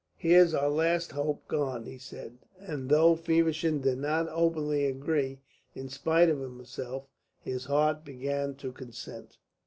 "Here's our last hope gone," he said; and though Feversham did not openly agree, in spite of himself his heart began to consent.